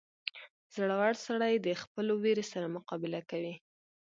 • زړور سړی د خپلو وېرې سره مقابله کوي.